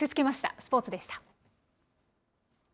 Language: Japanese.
スポーツでした。